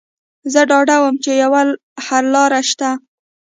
زه ډاډه وم چې يوه حللاره شته.